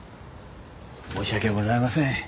申し訳ございません。